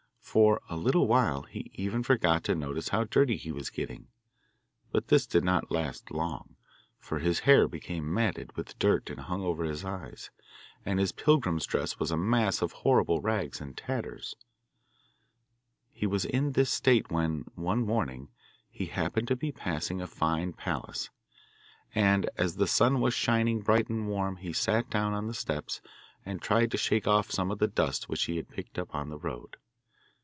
For a little while he even forgot to notice how dirty he was getting, but this did not last long, for his hair became matted with dirt and hung over his eyes, and his pilgrim's dress was a mass of horrible rags and tatters. He was in this state when, one morning, he happened to be passing a fine palace; and, as the sun was shining bright and warm, he sat down on the steps and tried to shake off some of the dust which he had picked up on the road.